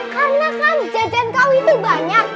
karena kan jajan kamu itu banyak